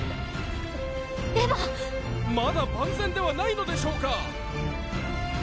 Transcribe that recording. まだ万全ではないのでしょうか！？